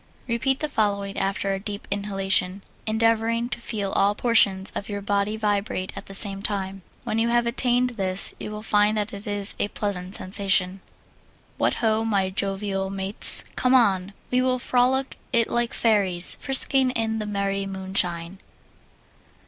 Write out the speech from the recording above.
Repeat the following, after a deep inhalation, endeavoring to feel all portions of your body vibrate at the same time. When you have attained this you will find that it is a pleasant sensation. What ho, my jovial mates. Come on! We will frolic it like fairies, frisking in the merry moonshine.